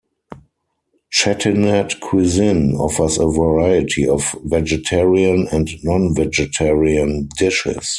Chettinad cuisine offers a variety of vegetarian and non-vegetarian dishes.